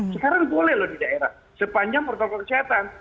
sekarang boleh loh di daerah sepanjang protokol kesehatan